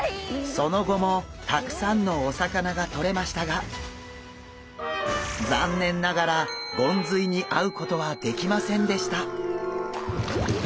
その後もたくさんのお魚がとれましたが残念ながらゴンズイに会うことはできませんでした。